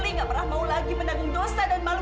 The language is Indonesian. dia gak pernah mau lagi menanggung dosa dan malu